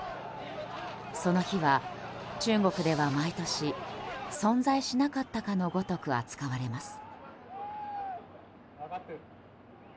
その日は、中国では毎年存在しなかったかのごとく扱われます。